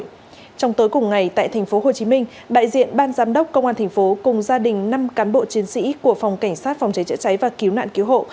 trong tối cùng ngày tại tp hcm đại diện ban giám đốc công an thành phố cùng gia đình năm cán bộ chiến sĩ của phòng cảnh sát phòng cháy chữa cháy và cứu nạn cứu hộ